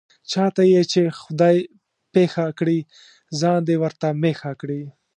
چاته یې چې خدای پېښه کړي، ځان دې ورته مېښه کړي.